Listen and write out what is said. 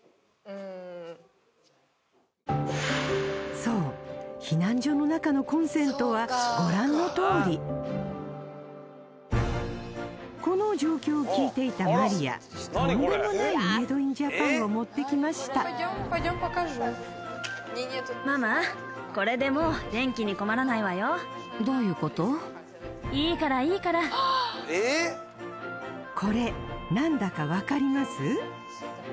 そう避難所の中のコンセントはご覧のとおりこの状況を聞いていたマリアとんでもないメイドインジャパンを持ってきましたママこれ何だかわかります？